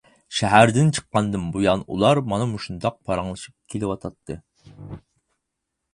شەھەردىن چىققاندىن بۇيان ئۇلار مانا مۇشۇنداق پاراڭلىشىپ كېلىۋاتاتتى.